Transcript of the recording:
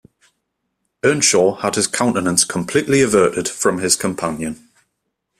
Earnshaw had his countenance completely averted from his companion.